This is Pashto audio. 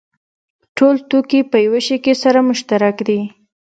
ټول توکي په یوه شي کې سره مشترک دي